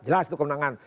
jelas itu kemenangan